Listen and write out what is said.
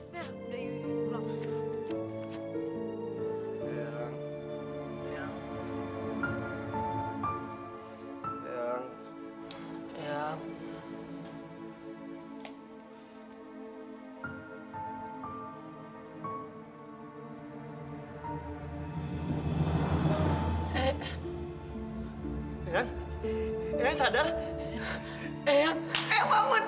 mer udah yuk